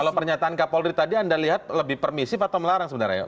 kalau pernyataan kapolri tadi anda lihat lebih permisif atau melarang sebenarnya